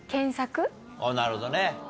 あっなるほどね。